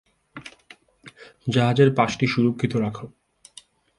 জাহাজের পাশটি সুরক্ষিত রাখো।